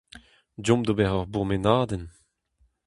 Deomp d'ober ur bourmenadenn !